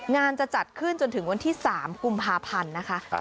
จะจัดขึ้นจนถึงวันที่๓กุมภาพันธ์นะคะ